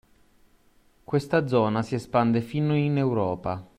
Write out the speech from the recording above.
Questa zona si espande fino in Europa.